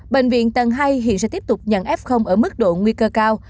bệnh viện tầng hai hiện sẽ tiếp tục nhận f ở mức độ nguy cơ cao